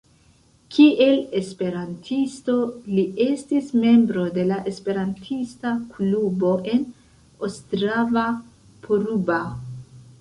Kiel esperantisto li estis membro de la esperantista klubo en Ostrava-Poruba.